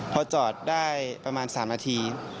พอจอดได้ประมาณ๓นาที